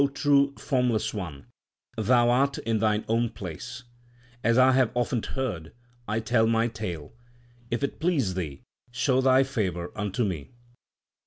true Formless One, Thou art in Thine own place As I have often heard I tell my tale If it please Thee, show Thy favour unto me.